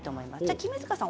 君塚さん